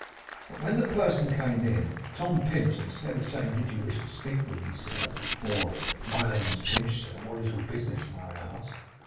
But when the person came in, Tom Pinch, instead of saying, 'Did you wish to speak with me, sir?' or, 'My name is Pinch, sir; what is your business, may I ask?